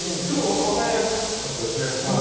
分かりやすかったですね。